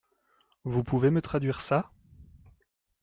Vous pouvez me traduire ça ?